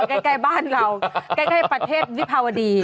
ใกล้บ้านเราใกล้ประเทศวิภาวดี